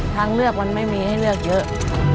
ทางเลือกมันไม่มีให้เลือกเยอะ